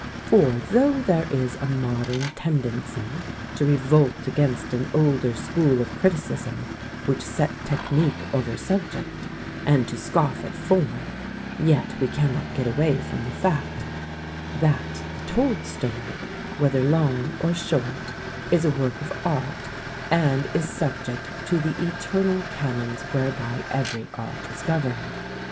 For. though there is a modem tendency to revolt against an older school of criticism which set technique over subject, and to scoff at form, yet we cannot get away from the fact that X INTRODUCTION the told story, whether long or short, is a work of art, and is subject to the eternal canons where by every art is governed.